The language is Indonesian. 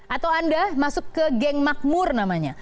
atau anda masuk ke geng makmur namanya